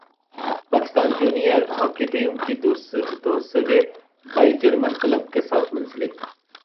Pakistan junior hockey team کے دو سگے بھائی جرمن کلب کے ساتھ منسلک